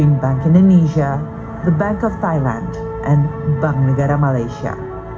antara bank indonesia bank thailand dan bank negara malaysia